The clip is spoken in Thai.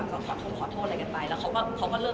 ผมก็ขอโทษอะไรกันไปแล้วเค้าก็ไม่รู้